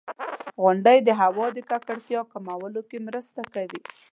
• غونډۍ د هوا د ککړتیا کمولو کې مرسته کوي.